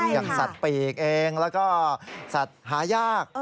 อย่างสัตว์ปีกเองแล้วก็สัตว์หายาก